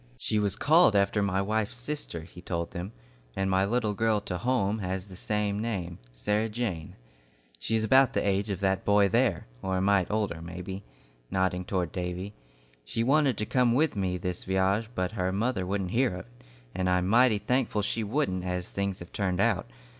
"She was called after my wife's sister," he told them, "and my little girl to home has the same name, 'Sarah Jane.' She is about the age of that boy there, or a mite older maybe," nodding toward Davy. "She wanted to come with me this vy'age, but her mother wouldn't hear of it, and I'm mighty thankful she wouldn't, as things have turned out.